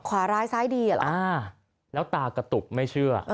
ขวาร้ายซ้ายดีเหรอแล้วตากระตุกไม่เชื่อ